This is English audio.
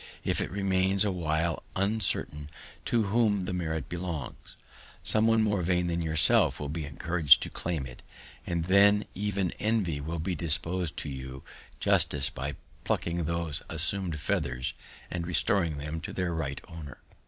If it remains a while uncertain to whom the merit belongs, someone more vain than yourself will be encouraged to claim it, and then even envy will be disposed to do you justice by plucking those assumed feathers, and restoring them to their right owner.